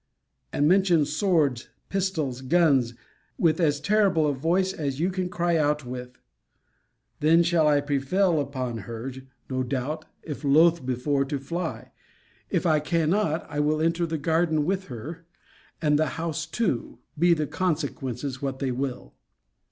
And mention swords, pistols, guns, with as terrible a voice as you can cry out with. Then shall I prevail upon her, no doubt, if loth before, to fly. If I cannot, I will enter the garden with her, and the house too, be the consequence what it will.